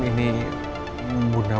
ini temennya didi